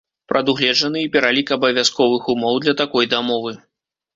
Прадугледжаны і пералік абавязковых умоў для такой дамовы.